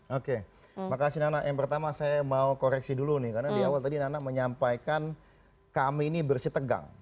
oke makasih nana yang pertama saya mau koreksi dulu nih karena di awal tadi nana menyampaikan kami ini bersih tegang